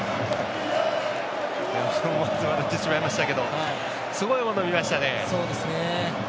思わず笑ってしまいましたけどすごいものを見ましたね。